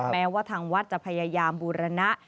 แม้ว่าทางวัดจะพยายามบูรณะ